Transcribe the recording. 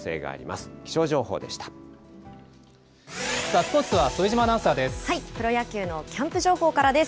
スポーツは副島アナウンサーです。